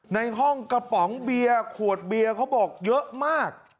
ในห้องกระป๋องเบียร์ขวดเบียร์เขาบอกเยอะมาก